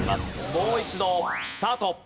もう一度スタート。